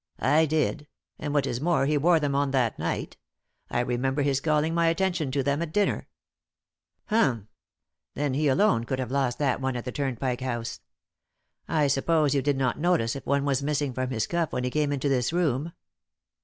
"I did. And what is more, he wore them on that night. I remember his calling my attention to them at dinner." "Humph! Then he alone could have lost that one at the Turnpike House. I suppose you did not notice if one was missing from his cuff when he came into this room?"